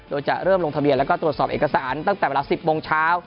โดยจะเริ่มลงทะเบียนแล้วก็ตรวจสอบเอกสารตั้งแต่เวลา๑๐โมงเช้า